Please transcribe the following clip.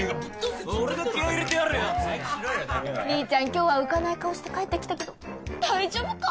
今日は浮かない顔して帰ってきたけど大丈夫か？